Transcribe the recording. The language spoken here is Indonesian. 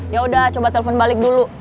yaudah coba telfon balik dulu